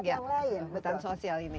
atau contoh bagi program hutan sosial ini